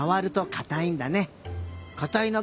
・かたい。